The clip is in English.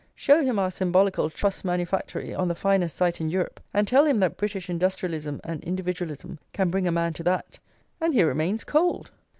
Show him our symbolical Truss Manufactory on the finest site in Europe, and tell him that British industrialism and individualism can bring a man to that, and he remains cold!